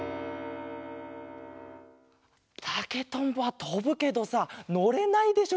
たけとんぼはとぶけどさのれないでしょ